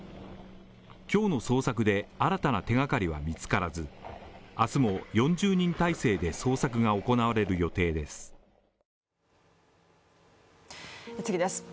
今日の捜索で新たな手がかりは見つからず明日も４０人体制で捜索が行われる予定です。